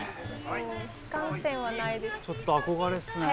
ちょっと憧れっすね。